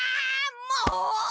もう！